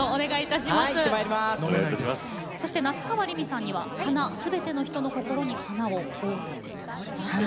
夏川りみさんには「花すべての人の心に花を」を歌っていただきます。